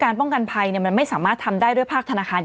ป้องกันภัยมันไม่สามารถทำได้ด้วยภาคธนาคาร